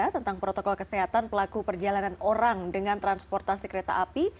tentang protokol kesehatan pelaku perjalanan orang dengan transportasi kereta api